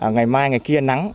ngày mai ngày kia nắng